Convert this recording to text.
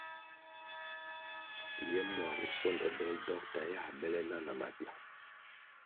Ye mua bosondo dolʼ dokta yā bele na na mabyang.